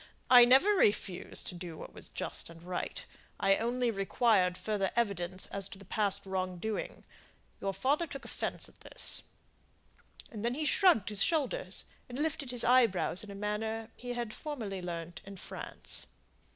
"I never refused to do what was just and right. I only required further evidence as to the past wrong doing; your father took offence at this," and then he shrugged his shoulders, and lifted his eyebrows in a manner he had formerly learnt in France.